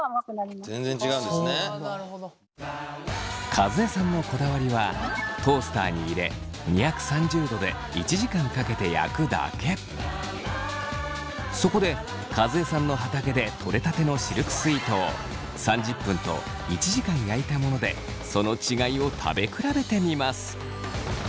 和江さんのこだわりはそこで和江さんの畑でとれたてのシルクスイートを３０分と１時間焼いたものでその違いを食べ比べてみます。